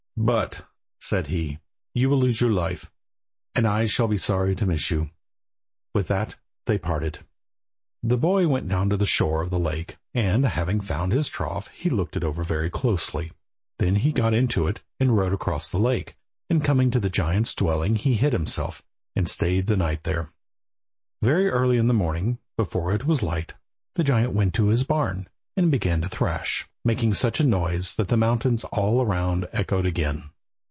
"But," said he, "you will lose your life, and I shall be sorry to miss you." With that they parted. The boy went down to the shore of the lake, and, having found his trough, he looked it over very closely. Then he got into it and rowed across the lake, and coming to the giant's dwelling he hid himself, and stayed the night there. Very early in the morning, before it was light, the giant went to his barn, and began to thrash, making such a noise that the mountains all around echoed again.